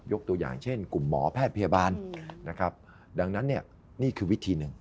ตัวอย่างเช่นกลุ่มหมอแพทย์พยาบาลนะครับดังนั้นเนี่ยนี่คือวิธีหนึ่ง